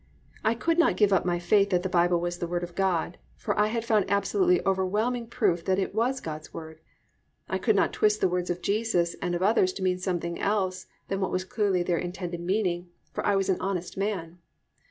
I could not give up my faith that the Bible was the Word of God, for I had found absolutely overwhelming proof that it was God's Word. I could not twist the words of Jesus and of others to mean something else than what was clearly their intended meaning, for I was an honest man.